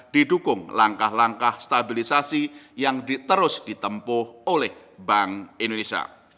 didukung langkah langkah stabilisasi yang terus ditempuh oleh bank indonesia